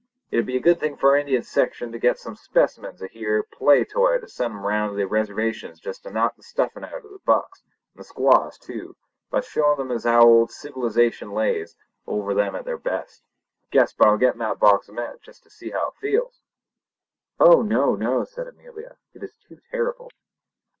It'd be a good thing for our Indian section to get some specimens of this here play toy to send round to the Reservations jest to knock the stuffin' out of the bucks, and the squaws too, by showing them as how old civilisation lays over them at their best. Guess but I'll get in that box a minute jest to see how it feels!" "Oh no! no!" said Amelia. "It is too terrible!"